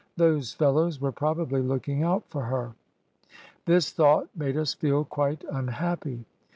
Those fellows were probably looking out for her.' "This thought made us feel quite unhappy."